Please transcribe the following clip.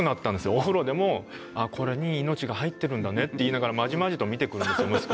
お風呂でも「これに命が入ってるんだね」って言いながらまじまじと見てくるんですよ息子。